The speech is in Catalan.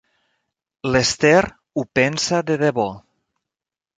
L'Esther ho pensa de debò.